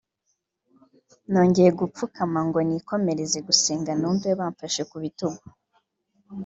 nongeye gupfukama ngo nikomereze gusenga numva bamfashe ku bitugu